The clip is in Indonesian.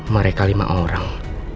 mereka lima orang